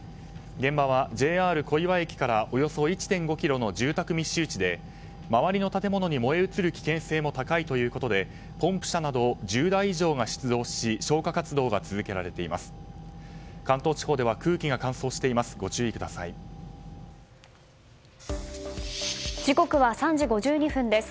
現場はＪＲ小岩駅からおよそ１．５ｋｍの住宅密集地で周りの建物に燃え移る危険性も高いということでポンプ車など１０台以上が出動し消火活動が続けられています。